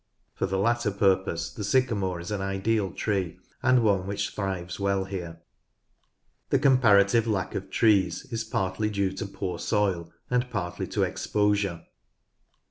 For the latter purpose the sycamore is an ideal tree, and one which thrives well here. Lakeside : Bobbin Mill The comparative lack of trees is partly due to poor soil, and partly to exposure.